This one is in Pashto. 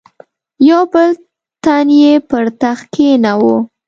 یو بل تن یې پر تخت کښېناوه.